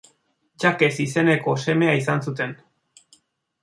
Jakes izeneko semea izan zuten.